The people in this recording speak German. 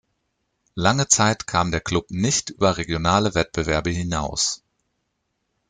Lange Zeit kam der Klub nicht über regionale Wettbewerbe hinaus.